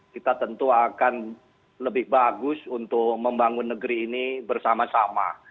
kita tentu akan lebih bagus untuk membangun negeri ini bersama sama